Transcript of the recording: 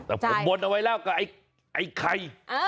ต้องบนเอาไว้แล้วเดี๋ยวกับไอ่ไข่